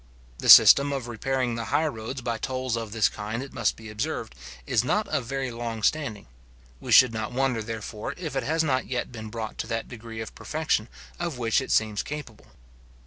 The system of repairing the high roads by tolls of this kind, it must be observed, is not of very long standing. We should not wonder, therefore, if it has not yet been brought to that degree of perfection of which it seems capable.